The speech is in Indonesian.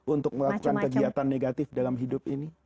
untuk melakukan kegiatan negatif dalam hidup ini